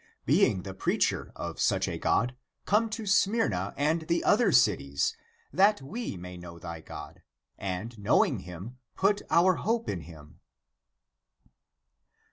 Being the preacher of such a God, come to Smyrna and the other cities, that we may know thy God, and, knowing him, put our hope in him!